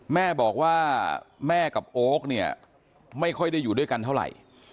แม่บอกว่าแม่กับโอ๊คเนี่ยไม่ค่อยได้อยู่ด้วยกันเท่าไหร่